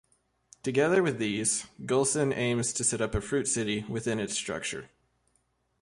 Together with these, Gulsan aims to set up a fruit city within its structure.